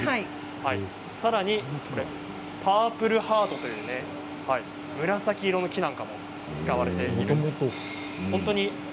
さらにパープルハードという紫色の木も使われています。